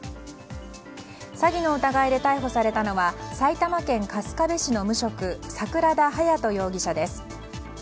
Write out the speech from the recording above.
詐欺の疑いで逮捕されたのは埼玉県春日部市の無職桜田隼人容疑者です。